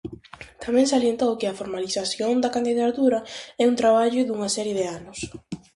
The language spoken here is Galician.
Tamén salientou que a formalización da candidatura "é un traballo dunha serie de anos".